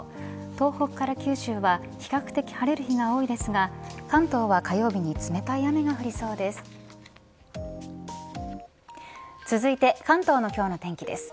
東北から九州は比較的、晴れる日が多いですが関東は火曜日に冷たい雨が降りそうです。